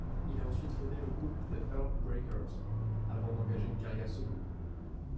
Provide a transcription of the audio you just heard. Il a ensuite fondé le groupe The Heartbreakers avant d'engager une carrière solo.